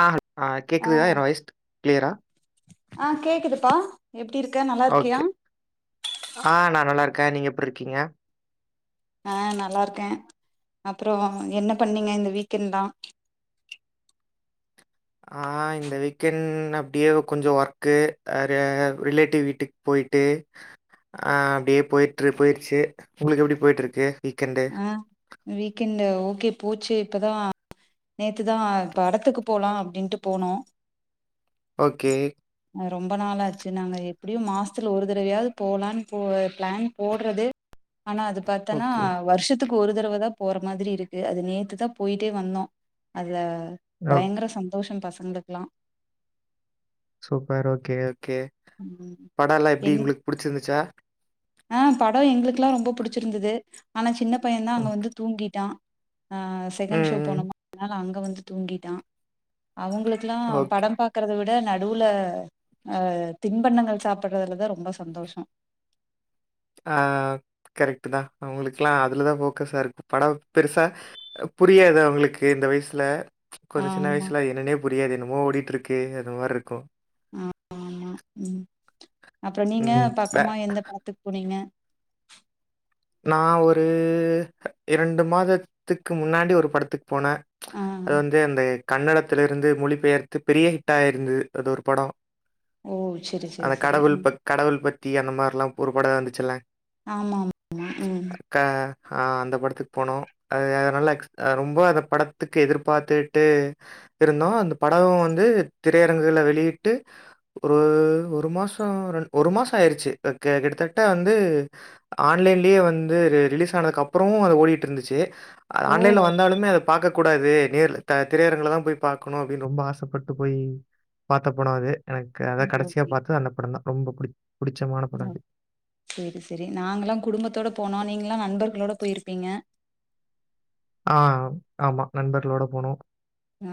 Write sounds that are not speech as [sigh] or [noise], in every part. ஆ ஆ கேக்குதுதா என்ன வாஸ் கிளியரா ஆ கேக்குதுப்பா எப்டி இருக்க நல்லா இருக்கியா ஓகே. ஆ நா நல்லா இருக்க நீங்க எப்ருக்கீங்க ஆ நல்லா இருக்க அப்பறோ என்ன பண்ணீங்க இந்த வீக்கெண்ட் தா ஆ இந்த வீக்கெண்ட் அப்டியே கொஞ்சோ ஒர்க்கு அரு‌ ரிலேட்டிவ் வீட்டுக் போய்ட்டு அ அப்டியே போய்ட்டுரு போயிடுச்சு உங்களுக்கு எப்டி போய்ட்டுருக்கு ஆ வீக்கெண்ட்ல ஓகே போச்சு இப்பதா நேத்துதா படத்துக்கு போலா அப்டின்ட்டு போனோ ஓகே அ ரொம்ப நாள் ஆச்சு நாங்க எப்டியு மாசத்துல ஒரு தடவையாது போலான் போ பிளான் போடுறதே ஆனா அது பாத்தன்னா ஓகே. வருஷத்துக்கு ஒரு தடவ தா போற மாதிரி இருக்கு அது நேத்து தாபோயிட்டே வந்தோ அதுல ஓ பயங்கர சந்தோஷோ பசங்களுக்குல்லா சூப்பர் ஓகே ஓகே ம் படோல்லா எப்டி என்ன உங்களுக்கு புடிச்சிருந்துச்சா ஆ படோ எங்களுக்குல்லா ரொம்ப புடிச்சிருந்துது ஆனா சின்ன பைய தா அங்க ஓகே. வந்து தூங்கிட்டா ஆ ம், செகண்ட் ஷோ ம். போனமா அதனால அங்க வந்து தூங்கிட்டா அவுங்களுக் குல்லாம் ஓகே. படம் பாக் கறத விட நடுவுல அ தின்பண்ணங்கள் சாப்பறதுல தா ரொம்ப சந்தோஷோ ஆ கரெக்ட்டுதா அவுங்களுக்குலா அதுலதா‌ ஃபோக்கஸா இருக்கு படம் பெருசா புரியாது அவுங்களுக்கு இந்த வயசுல கொஞ்சோ ஆமா சின்னவயசுல ‌ என்னன்னே புரியாது என்னமோ ஓடிட்டுருக்கே அது மாறி இருக்கு ஆ ஆமா ம் அப்பறோ நீங்க ம் வே பக்கமா எந்த படத்துக்கு போனீங்க நா ஒரு இரண்டு மாதத்துக்கு முன்னாடி ஒரு படத்துக்கு போன ஆ அது வந்து அந்த கன்னடத்துல இருந்து மொழி பெயர்த்து பெரிய ஹிட் ஆயிருந்தது அது ஒரு படோ ஓ செரி செரி அந்த செரி கடவுள் ம் பக் கடவுள் பத்தி அந்த மாரில்லா ஒரு படோ வந்துச்சுல ஆமா ஆமா ம் க ஆ அந்த படத்துக்கு போனோ அ அதனால ரொம்ப அந்த படத்துக்கு எதிர்பார்த்துட்டு இருந்தோ அந்த படோ வந்து திரையரங்குகள வெளியிட்டு ஒரு ஒரு மாசோ ரெண் ஒரு மாசோ ஆயிருச்சு க கிட்டத்தட்ட வந்து ஆன்லைன்லயே வந்து ரிலீஸ் ஆனதுக்கு அப்பறோ அது ஓடிட்டு இருந்துச்சு ஓ ஆன்லைன்ல வந்தாலுமே அது பாக்க கூடாது நேர்ல த திரையரங்கள தா போய் பாக்கணு அப்டின்னு ரொம்ப ஆசப்பட்டு போய் பாத்த படோ அது எனக்கு அத கடைசியா ஓகே பாத்தது அந்த படோ தா ரொம்ப புடி புடிச்சமான படோ அது சேரி சேரி நாங்கலா குடும்பத்தோட போனா நீங்களா நண்பர்களோட போயிருப்பீங்க ஆ ஆமா நண்பர்களோட போனோ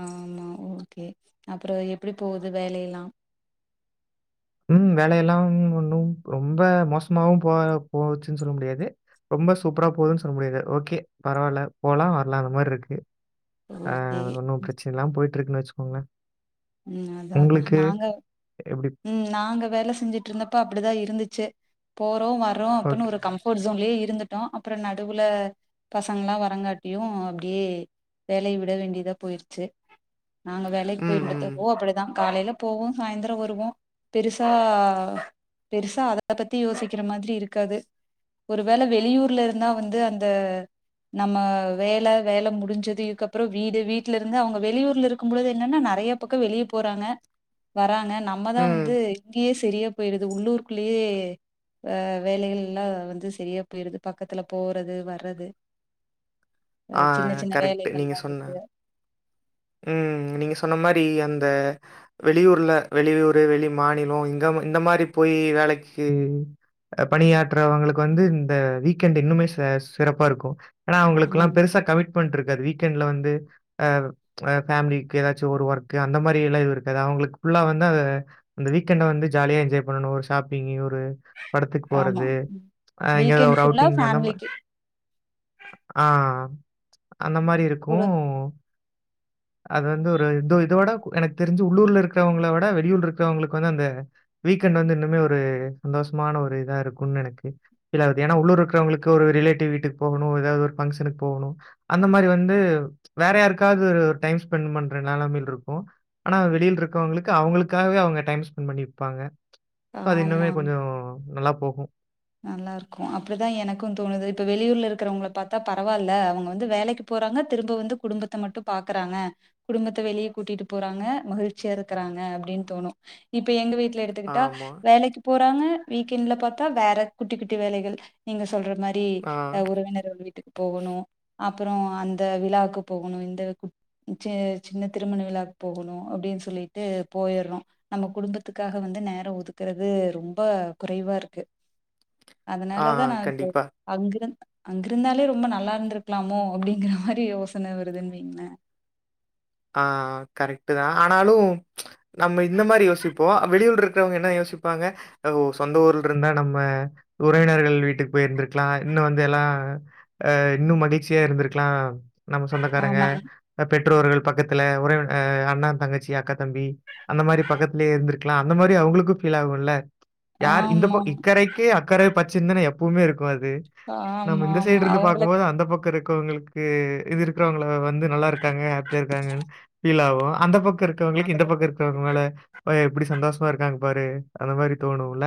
ஆமா ஓகே அப்பறோ எப்படி போது வேலை எல்லா ம் வேலையெல்லாம் ஒன்னும் ரொம்ப மோசமாவும் போ போச்சுன்னு சொல்ல முடியாது ரொம்ப சூப்பரா போதுன்னு சொல்ல முடியாது ஓகே பரவாயில்ல போலா வரலா அந்த மாறி இருக்கு ஆ ஓகே. ஒன்னும் பிரச்சன இல்லாம போயிட்ருக்குன் வச்சுக்கோங்க ம் அதா அதா நாங்க எப்படி? ம் நாங்க வேல செஞ்சுட்டு இருந்தப்ப அப்டிதா இருந்துச்சு போறோ வர்ரோ அப்டின்னு ஓகே. ஒரு கம் ஃபோர்ட்சோன்லயே இருந்துட்டோ அப்றோ நடுவுல பசங்கெல்லா வரங்காட்டியுஅப்டியே வேலைய விட வேண்டியதா போயிற்ச்சு நாங்க வேலைக்கு ம், ம், போயின்றதப்ப ஓ அப்டிதா காலையில போவோ சாந்திரோ வருவோ பெருசா பெருசா அத பத்தி யோசிக்கிற மாரி இருக்காது ஒருவேள வெளியூர்ல இருந்தா வந்து அந்த நம்ம வேல வேல முடிஞ்சது இதுக்கப்றோ வீடு வீட்ல இருந்து அவுங்க வெளியூர்ல இருக்கும்பொழுது என்னென்னா நெறைய பக்கோ வெளியே போறாங்க வராங்க நம்மதா ம். வந்து இங்கேயே செரியா போய்டுது உள்ளூருக்குள்ளயே வே வேலைகள் எல்லா வந்து சரியா போய்ருது பக்கத்துல போறது வர்றது ஆ அ சின்ன சின்ன கரெக்ட். நீங்க வேலைகள்லா சொன்ன இருக்கு ம் நீங்க சொன்ன மாரி அந்த வெளியூர்ல வெளியூரு வெளி மாநிலோ இங்க இந்த மாரி போய் வேலைக்கு பணியாற்றவங்களுக்கு வந்து இந்த வீக்கெண்ட் இன்னுமே சி சிறப்பா இருக்கு ஆனா ஆ அவுங்களுக்கெல்லா பெருசா கமிட்மெண்ட் இருக்காது வீக்கெண்ட்ல வந்து ஆ அ பேமிலிக்கு எதாச்சு ஒரு ஒர்கு அந்த மாறில்லா எதுவு இருக்காது அவுங்களுக்கு ஃபுல்லா வந்து அது இந்த வீக்கெண்ட வந்து ஜாலியா என்ஜாய் பண்ணணு ஒரு ஷாப்பிங் ஒரு படத்துக்கு ஆமா போறது அ எங்கயா வீக்கெண்ட் ஒரு ஃபுல்லா அவுட்டிங் அந்த மா ஃபேமிலிக்கு ஆ அந்த மாரி இருக்கு கூட அது வந்து ஒரு இது இதோட எனக்கு தெரிஞ்சு உள்ளூர்ல இருக்கவங்கள விட வெளியூர் இருக்கிறவங்களுக்கு வந்து அந்த வீக்கெண்ட் வந்து இன்னுமே ஒரு சந்தோஷமான ஒரு இதா இருக்குனு எனக் இல்ல ஆகுது ஏனா உள்ளூர் இருக்கிறவங்களுக்கு ஒரு ரிலேட்டிவ் வீட்டுக்கு போவுணு எதாவுது ஒரு ஃபங்க்ஷனுக்கு போவுணு அந்த மாறி வந்து வேற யாருக்காவுது ஒரு டைம் ஸ்பெண்ட் பண்ற நெலமைல இருக்கு ஆனா வெளில இருக்கவுங்களுக்கு அவங்களுக்காகவே அவுங்க டைம் ஸ்பெண்ட் பண்ணிருப்பாங்க இப்ப அது இன்னுமே கொஞ்சோ நல்லா போகு நல்லா இருக்கோ அப்டிதா எனக்கு தோணுது இப்ப வெளியூர்ல இருக்கிறவங்கள பாத்தா பரவாயில்ல அவுங்க வந்து வேலைக்கு போறாங்க திரும்ப வந்து குடும்பத்த மட்டு பாக்குறாங்க குடும்பத்த வெளிய கூட்டிட்டு போறாங்க மகிழ்ச்சியா இருக்கறாங்க அப்டின்னு தோணு இப்ப எங்க வீட் விட்ல எடுத்துக்கிட்டா ஆமா. வேலைக்கு போறாங்க வீக்கெண்ட்ல பாத்தா வேற குட்டி குட்டி வேலைகள் நீங்க சொல்ற மாரி ஆ, அ உறவினர் இந்த வீட்டுக்கு போகுனு அப்றோ அந்த விழாக்கு போகுனு இந்த கு ம் சேர் சின்ன திருமண விழாக்கு போகேனு அப்டினு சொல்லிட்டு போயிடுறோ நம்ம குடும்பத்துக்காக வந்து நேரோ ஒதுக்குறது ரொம்ப குறைவா இருக்கு ஆ அதனாலதா நா இப்போ கண்டிப்பா. அங்கிரு அங்கிருந்தாலே ரொம்ப நல்லா இருந்திருக்குலாமோ அப்டிங்கிற மாரி யோசனை வருதுன்னுன்னே ஆ கரெட்டு தா ஆனாலு நம்ம இந்த மாரி யோசிப்போ வெளியூர்ல இருக்குறவங்க என்ன யோசிப்பாங்க அ ஒ சொந்த ஊர்ல இருந்தா நம்ம உறவினர்கள் வீட்டுக்கு போய்இருந்திருக்குலா இன்னுவந்து எல்லா அ இன்னு மடிச்சியா இருந்திருக்குலா நம்ம சொந்தக்காரங்க ஆமாங்க. பெற்றோர்கள் பக்கத்துல உறவின அ அண்ண தங்கச்சி அக்கா தம்பி அந்த மாரி பக்கத்துலயே இருந்துருக்ல அந்த மாரி அவுகுலுக்கு ஃபீல் ஆகுல யார் இந்த ப ஆமா. இக்கறைக்கு அக்கறை பச்சதானே எப்பவுமே இருக்குஅது நம்ம ஆமா, இந்த ஆமா. சைடு இருந்து அவங்களுக்கு பாக்குபோது அந்த பக்கோ இருக் குங்கவங்களுக்கு இது இருக்குறவங்கல வந்து நல்லா இருக்காங்க ஹாப்பியா இருக்காங்கனு பீல் ஆகு அந்த பக்கே இருக் மத்தவங்களுக்கு அந்த இந்த பக்கோ இருக்குறவங்க மேல பா எப்டி சந்தோஷமா இருக்காங்க பாரு அந்த மாரி தோணுல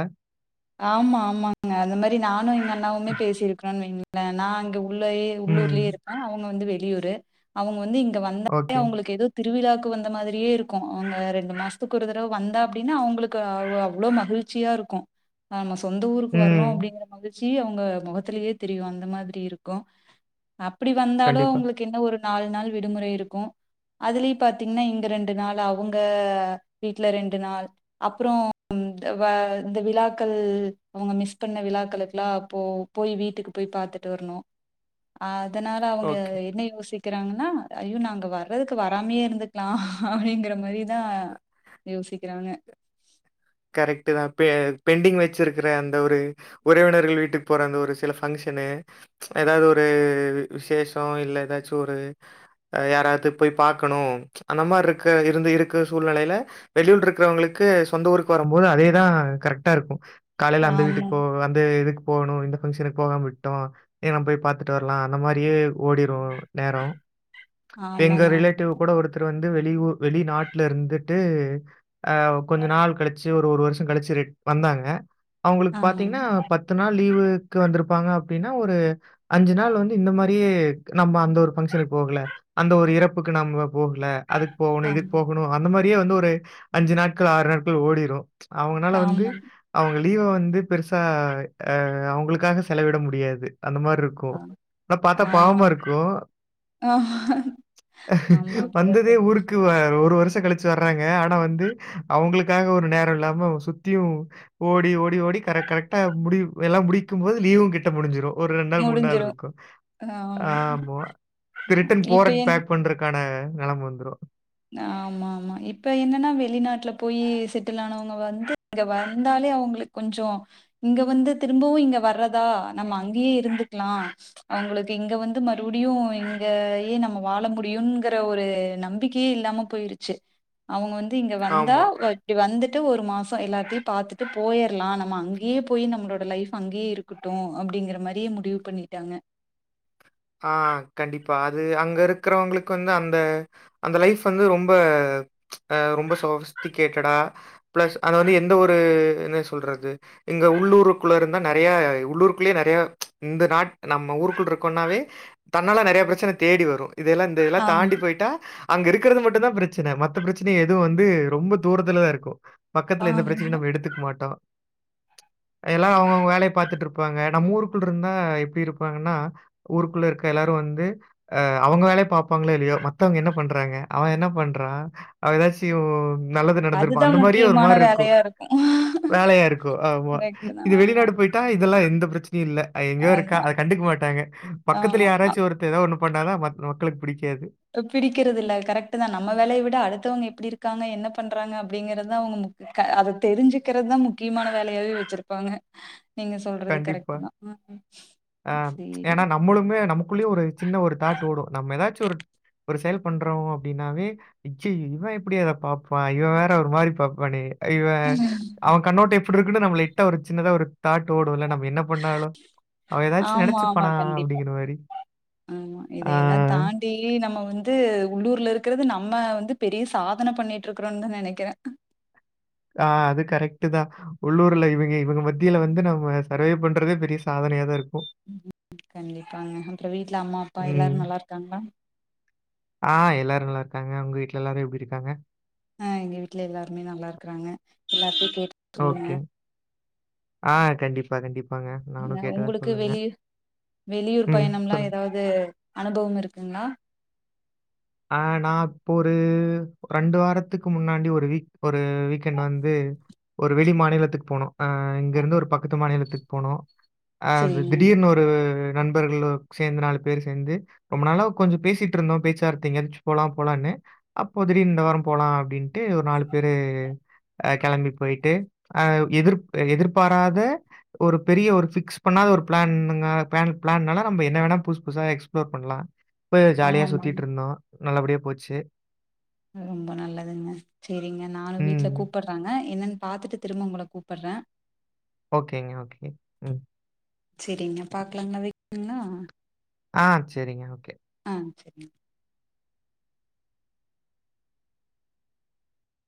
ஆமா ஆமாங்க அந்த மாரி நானு எங்க அண்ணாவுமே பேசியிருக்குறேனு வெய்களே நா அங்க உள்ளயே ம். உள்ளூர்லே இருப்பே அவுங்க வந்து வெளியூரு அவுங்க வந்து இங்க வந்தாலே ஓகே. அவுகளுக்கு ஏதோ திருவிழாவுக்கு வந்த மாரியே இருக்கு அவுங்க ரெண்டு மாசத்துக்கு ஒரு தடவை வந்தா அப்டினா அவுகளுக்கு அவ அவ்ளோ மகிழ் ச்சியா இருக்கு நாம சொந்த ஊருக்கு வர்றோ ம். அப்டிங்ற மாரி மகிழ்ச்சி அவுங்க முகத்திலே தெரியு அந்த மாதிரி இருக்கு அப்டி வந்தாலு கண்டிப்பா. அவுங்களுக் எனக் ஒரு நாலு நாள் விடுமுறை இருக்கு அதுலயு பாத்தீங்னா இங்க ரெண்டு நாள் அவுங்க வீட்ல ரெண்டு நாள் அப்றோ த வே இந்த விழா க்கள் அவுங்க மிஸ் பண்ண விழாக்களுக்கெல்லா போ போய் வீட்டுக்கு போய் பாத்துட்டு வர்னு அதனால அவுங்க ஓகே. என்ன யோசிக் கறாங்கன்னா ஐயோ நா அங் வறதுக்கு வராமே இருந்துக்கலா அப்டிங்கற மாரி தா யோசிக்கறாங்க கரெக்ட்டு தா பெ பெண்டிங் வெச்சிருக்கற அந்த ஒரு உறவினர்கள் வீட்டுக்கு போறங்க ஒரு சில ஃபங்சனு ஏதாவது ஒரு விசேசோ இல்ல ஏதாச்சு ஒரு யாராவது போய் பாக்கணும் அந்த மாதிரி இருக்க இருந்து இருக்க சூழ்நிலையில வெளியூர்ல இருக்கறவங்களுக்கு சொந்த ஊருக்கு போறோபோது அதேதா கரெக்டா இருக்கு காலையில அந்த ஆமா வீட்டுக் போ அந்த இதுக்கு போனு இந்த ஃபங்ஷனுக்கு போகாம விட்டோ ஏ நம்ம போய் பாத்துட்டு வரலா அந்த மாரியே ஓடிடுவோ நேரோ இப்ப எங்க ஆமாங்க ரிலேட்டிவ் கூட ஒருத் தர் வந்து வெளியூர் வெளிநாட்ல இருந்துட்டு அ கொஞ்ச நாள் கழி ச்சு ஒரு ஒரு வருசோ கழிச்சி ரிட் வந்தாங்க அவுங்களுக் ஆமாங்க பாத்தீங்ன்னா பத் து நாள் லீவுக்கு வந்திருப்பாங்க அப்டினா ஒரு அஞ்சி நாள் வந்து இந்த மாரியே நம்ம அந்த ஒரு ஃபங்சனுக்கு போகல அந்த ஒரு இறப்புக்கு நாமபோகல அதுக் போனு இதுக்கு ஆமா போகனோ அந்த மாரியே வந்து ஒரு அஞ்சு நாட்கள் ஆறு நாட்கள் ஓடிடு அவுங்கனால வந்து ஆமாங்க அவுங்க லீவ வந்து பெருசா அ அவுங்களுக்காக செலவிட முடியாது அந்த மாதிரி இருக் கு ஆ ஆனா பாத்தா பாவமா ஆமாங்க இருக்கு ஆமா ஆமா அப்படிதா வந்ததே தோணு ஊருக் கு ஒரு வருசோ கழிச்சி வறாங்க ஆனா வந்து அவுங்களுக்காக ஒரு நேர இல்லாம சுத்தியு ஓடி ஓடி ஓடி கர கரெக்டா முடியு எல்லா முடிக்கு போது லீவு கிட்ட முடிஞ்சுடு ஒரு ரெண்டு நாள் மூணு நாள் முடிஞ்சிரு இருக்கு ஆமா இப்ப ஆ ரிட்டன் போற இப்ப என் பேக் பண்ற க்காண நெலம வந்தரு ஆமா ஆமா இப்ப என்னன்னா வெளிநாட்டுல போயி செட்டில் ஆனவங்க வந்து இங்க வந்தாலே அவங்களுக்கு கொஞ்சோ இங்க வந்து திரும்பவு இங்க வறதா நம்ப அங்கயே இருந்துருக்கலா அவங்களுக்கு இங்க வந்து மறுபடியு இங்க ஏ நம்ம வாழ முடியுங்கிற ஒரு நம்பிக்க யே இல்லாம போயிருச்சு அவங்க வந்து இங்க வந்தா ஆமா. இப்டி வந்துட்டு ஒரு மாசோ எல்லாத்தையு பாத்துட்டு போயிடலா நம்ம அங்கேயே போய் நம்மளோட லைஃப் அங்யே இருக்கட்டு அப்டிங்கற மாதிரியே முடிவு பணிட்டாங்க ஆ கண்டிப்பா அது அங்க இருக்கறவங்களுக்கு வந்து அந்த அந்த லைஃப் வந்து ரொம்ப அ ரொம்ப சொஃபிஸ்டிகேட்டடா ப்ளஸ் அத வந்து எந்த ஒரு என்ன சொல்றது இங்க உள்ளூருக்குள்ள இருந்தா நெறைய உள்ளூருக்குள்ளேயே நெறைய இந்த நாட் நம்ம ஊருக்குள் இருக்கோன்னாவே தன்னால்லா நெறைய பிரச்சன தேடி வரு இதெல்லா இந்த இதெல்லா ஆமா தாண்டி போயிட்டா அங்க இருக்கிறது மட்டுதா பிரச்சன மத்த பிரச்சன எதுவு வந்து ரொம்ப தூரத்துலதா இருக்கு பக்கத்துல எந்த பிரச்சனையு ஆமா நம்ம எடுத்துக்க மாட்டோ எல்லாரு அவங்கவுங்க வேலைய பாத்துட்டு இருப்பாங்க நம்ம ஊருக்குள்ள இருந்தா எப்டி இருப்பாங்கன்னா ஊருக்குள்ள இருக்க எல்லாரு வந்து அ அவுங்க வேலைய பாப்பாங்களோ இல்லையோ மத்தவங்க என்ன பண்றாங்க அவ என்ன பண்றா அதுதா [unintelligible] நல்லது நடந்திருக்கு அதுதா அந்த மாரியே ஒரு முக்கியமான மாரி இருக்கும் வேலையா இருக்கு வேலையா இருக்கு ஆமா கரெக்ட் தான். இது ஆமா. வெளிநாடு போய் ட்டா இதெல்லா எந்த பிரச்சனையு இல்ல அ எங்கயோ இருக்கா அதுதான். அத கண்டுக்க மாட்டாங்க பக்கத்து ஆமா. யாராச்சு அடுத்து ஏதோ ஒண்ணு பண்ணாத மக்களுக்கு பிடிக்காது பிடிக்கிறது இல்ல கரெக்ட் தா நம்ம வேலைய விட அடுத்தவங்க எப்டி இருக்காங்க என்ன பண்றாங்க அப்டிங்கறதுதா அவுங்க முக் க அத தெரிஞ்சுக்கிறதுதா முக்கியமான வேலையாவே வச்சிருப்பாங்க நீங்க சொல்றது கண்டிப்பா. கரெக்ட்டுதா ஆ சேரி ஏன்னா நம்மளுமே நமக்குள்ளேயுமே ஒரு சின்ன ஒரு தாட் ஓடு நம்ம ஏதாச்சு ஒரு ஒரு செயல் பண்றோ அப்டின்னாவே அய்யய்யோ இவ எப்டி அத பாப்பா இவ வேற ஒரு மாரி பாப்பானே இவ அவ கண்ணோட்ட எப்டி இருக்குன்னு நம்ம லைட்டா ஒரு சின்னதா ஒரு தாட் ஓடுல நம்ம என்ன பண்ணாலு அவ ஏதாச்சு ஆமா, ஆமா. நெனச்சிப்பனா கண்டிப்பா. அப்டிங்கிற மாரி ஆ டெய்லி நம்ம வந்து உள்ளூர்ல இருக்கிறது நம்ம வந்து பெரிய சாதன பண்ணிட்டு இருக்கிறோந்தா நெனைக்கிறே ஆ அது கரெக்டு தா உள்ளூர்ல இவேங்க இவங்க மத்தியில வந்து நம்ம சர்வை பண்றதே பெரிய சாதனையா தா இருக்கு கண்டிப்பாங்க அப்பற வீட்ல அம்மா அப்பா ம். எல்லாரு நல்லா இருக்காங்ளா ஆ எல்லாரு நல்லா இருக்காங்க உங்க வீ்ட்ல எல்லாரு எப்டி இருக்காங்க ஆ எங்க வீட்ல எல்லாருமே நல்லா இருக்குறாங்க எல்லாத்தையு கேட் ஓகே ஆ கண்டிப்பா கண்டிப் ன்ன உங்களுக்கு வெளி வெளியூர் ம். பயணம்லா சொல்லுங்க. ஏதாவது அனுபவம் இருக்குங்ளா ஆ நா இப்போ ஒரு ரெண்டு வாரத்துக்கு முன்னாடி ஒரு வீக் ஒரு வீக்கெண்ட் வந்து ஒரு வெளி மாநிலத்துக்கு போனோ அ இங்க இருந்து ஒரு பக்கத்து மாநிலத்துக்கு போனோ அ சரிங்க திடீர்னு ஒரு ந்து நண்பர்களு சேந்து நாலு பேர் சேந்து ரொம்ப நாள கொஞ்சோ பேசிட்டு இருந்தோ பேச்சு வார்த் த எங்கயாச்சு போலா போலான்னு அப்போ திடீர் இந்த வார போலா அப்டின்ட்டு ஒரு நாலு பேரு அ கெளம்பி போயிட்டு அ எதிர் எதிர்பாராத ஒரு பெரிய ஒரு பிக்ஸ் பண்ணாத ஒரு பிளான்கு பிளான் பிளான்னால நம்ம என்ன வேணா புதுசு புதுசா எக்ஸ்பிளோர் பண்ணலா இப்பவே ஜாலியா ஆமாங்க சுத்திட்டு இருந்தோ நல்லபடியே போச்சு ரொம்ப நல்லதுங்க செரிங்க நானு வீட்ல ம். கூப்டுறாங்க என்னன்னு பாத்துட்டு திரும்ப உங்கள கூப்டுறே ஓகேங்க ஓகேங்க ம் செரிங்க பாக்கலாங்ளா வக்கட்டுங்ளா ஆ செரிங்க ஓகே ஆ செரிங்க